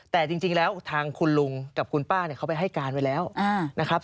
แต่จริงแล้วทางคุณลุงกับคุณป้าเนี่ยเขาไปให้การไว้แล้วนะครับ